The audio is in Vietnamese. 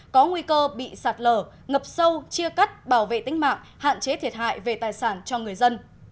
có nguy cơ bị sạt lở ngập sâu chia cắt bảo vệ tính mạng hạn chế thiệt hại về tài sản cho người dân